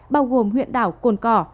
bao gồm huyện đảo cồn cò